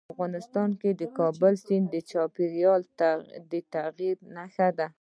افغانستان کې د کابل سیند د چاپېریال د تغیر نښه ده.